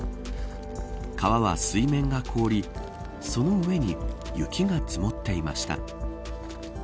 川は、水面が凍りその上に雪が積もっていました。